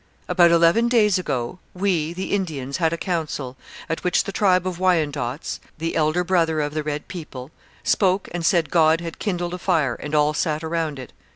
About eleven days ago we [the Indians] had a council, at which the tribe of Wyandots [the elder brother of the red people] spoke and said God had kindled a fire and all sat around it.